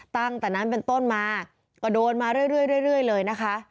ตั้งแต่นั้นเป็นต้นมาก็โดนมาเรื่อยเลยนะคะ